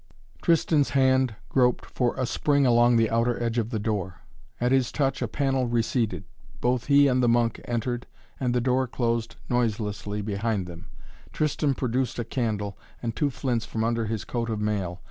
Tristan's hand groped for a spring along the outer edge of the door. At his touch a panel receded. Both he and the monk entered and the door closed noiselessly behind them. Tristan produced a candle and two flints from under his coat of mail.